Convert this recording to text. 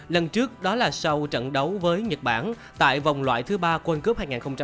lần trước đó là sau trận đấu với nhật bản tại vòng loại thứ ba world cup hai nghìn một mươi tám